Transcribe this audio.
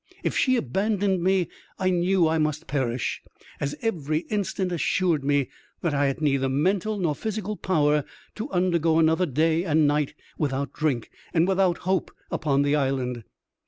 If she abandoned me I knew I must perish, as every instant assured me that I had neither mental nor physical power to undergo another day and night without drink and without hope upon the island.